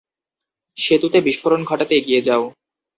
সেতুতে বিস্ফোরণ ঘটাতে এগিয়ে যাও।